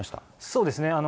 そうですね。